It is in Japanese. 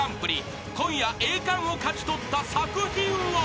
［今夜栄冠を勝ち取った作品は］